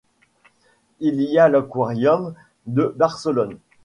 Il y a l'Aquarium de Barcelone.